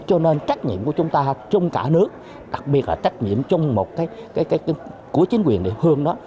cho nên trách nhiệm của chúng ta trong cả nước đặc biệt là trách nhiệm trong một cái của chính quyền địa phương đó